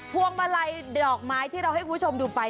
พวงมาลัยดอกไม้ที่เราให้คุณผู้ชมดูไป